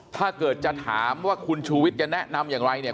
ถ้าเกิดจะถามว่าคุณชูวิทย์จะแนะนำอย่างไรเนี่ย